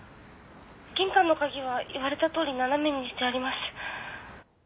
玄関の鍵は言われたとおり斜めにしてあります。